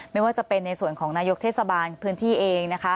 ไม่ว่าจะเป็นในส่วนของนายกเทศบาลพื้นที่เองนะคะ